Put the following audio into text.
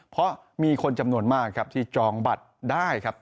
เพราะมีคนจำนวนมากครับที่จองบัตรได้ครับ